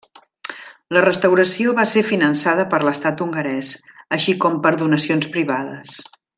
La restauració va ser finançada per l'estat hongarès, així com per donacions privades.